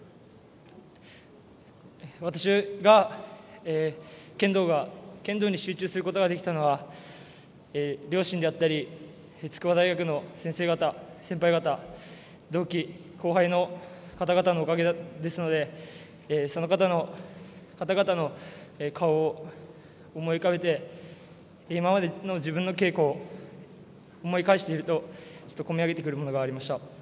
私が剣道に集中することができたのは両親であったり筑波大学の先生方、先輩方同期、後輩の方々のおかげですのでその方々の顔を思い浮かべて今までの自分の稽古を思い返しているとこみ上げてくるものがありました。